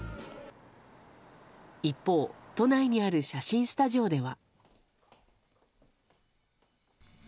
一方、都内にある写真スタジオでは。